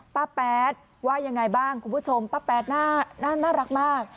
แป๊ดว่ายังไงบ้างคุณผู้ชมป้าแป๊ดน่ารักมาก